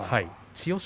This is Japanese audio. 千代翔